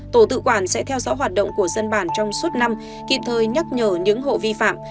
tổ tự quản sẽ theo dõi hoạt động của dân bản trong suốt năm kịp thời nhắc nhở những hộ vi phạm